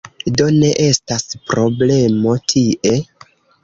Do, ne estas problemo tie